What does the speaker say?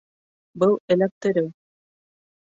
Был эләктереү